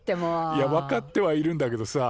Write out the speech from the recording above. いや分かってはいるんだけどさ